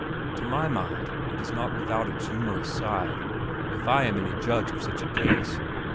To my mind it is not without its humorous side, if I am any judge of such a case.